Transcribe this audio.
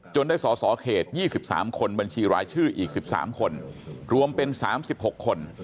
ได้สอสอเขต๒๓คนบัญชีรายชื่ออีก๑๓คนรวมเป็น๓๖คน